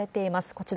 こちら。